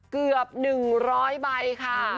เกือบ๑๐๐ใบค่ะ